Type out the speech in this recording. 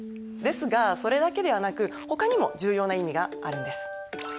ですがそれだけではなくほかにも重要な意味があるんです。